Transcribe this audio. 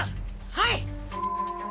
はい！！